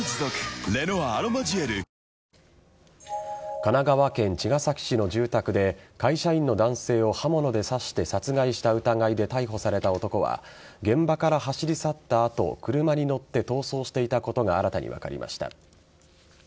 神奈川県茅ヶ崎市の住宅で会社員の男性を刃物で刺して殺害した疑いで逮捕された男は現場から走り去った後車に乗って逃走していたことが新たに分かりました。